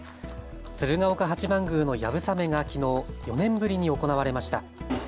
鶴岡八幡宮のやぶさめがきのう、４年ぶりに行われました。